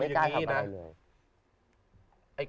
ไม่กล้าทำอะไรเลย